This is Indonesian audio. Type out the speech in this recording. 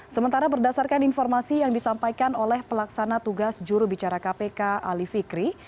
sementara berdasarkan informasi yang disampaikan oleh pelaksana tugas jurubicara kpk ali fikri